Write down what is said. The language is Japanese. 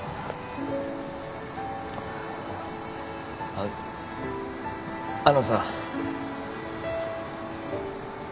あっあのさ。